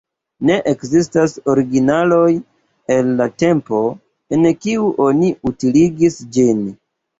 Ne ekzistas originaloj el la tempo, en kiu oni utiligis ĝin.